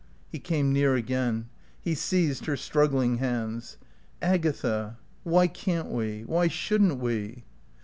He came near again. He seized her struggling hands. "Agatha, why can't we? Why shouldn't we?"